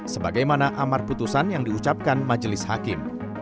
sebagaimana amar putusan yang diucapkan majelis hakim